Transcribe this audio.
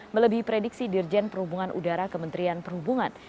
melebihi prediksi dirjen perhubungan udara kementerian perhubungan